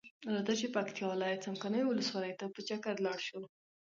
راځۀ چې پکتیا ولایت څمکنیو ولسوالۍ ته په چکر لاړشو.